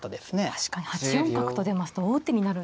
確かに８四角と出ますと王手になるんですね。